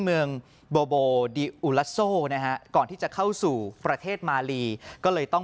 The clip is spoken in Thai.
เมืองโบโบดิอุลัสโซนะฮะก่อนที่จะเข้าสู่ประเทศมาลีก็เลยต้อง